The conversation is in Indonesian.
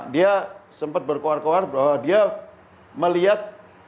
dia sempat berkuar kuar bahwa dia melihat